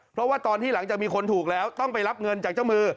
เพราะว่าตอนที่หลังจากมีคนถูกแล้วต้องไปรับเงินจากเจ้ามือ